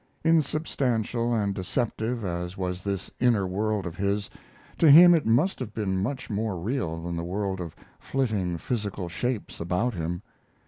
Insubstantial and deceptive as was this inner world of his, to him it must have been much more real than the world of flitting physical shapes about him.